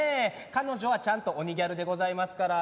彼女はちゃんと鬼ギャルでございますから。